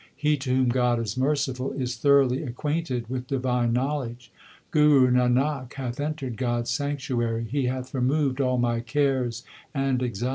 He to whom God is merciful Is thoroughly acquainted with divine knowledge. Guru Nanak hath entered God s sanctuary ; He hath removed all my cares and anxieties.